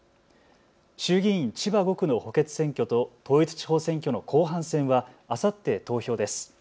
衆議院千葉５区の補欠選挙と統一地方選挙の後半戦はあさって投票です。